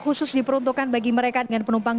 khusus diperuntukkan bagi mereka dengan penumpang